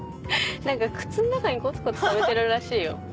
何か靴の中にコツコツ貯めてるらしいよ。